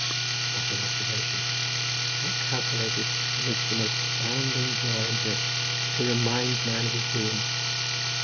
What an observation! how calculated, amidst the most bounding joy and bliss, to remind man of his doom!